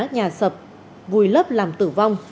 nhà sập vùi lấp làm tử vong